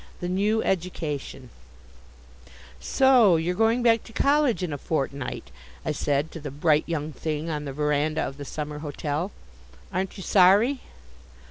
The New Education "So you're going back to college in a fortnight," I said to the Bright Young Thing on the veranda of the summer hotel. "Aren't you sorry?"